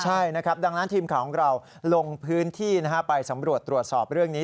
ใช่นะครับดังนั้นทีมข่าวของเราลงพื้นที่ไปสำรวจตรวจสอบเรื่องนี้